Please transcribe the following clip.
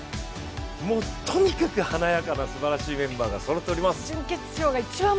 もう、とにかく華やかなすばらしいメンバーがそろっております。